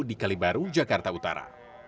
di kalibaru jakarta utara